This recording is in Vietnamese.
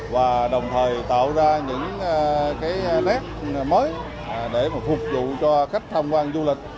và đồng thời tạo ra những nét mới để phục vụ cho khách tham quan du lịch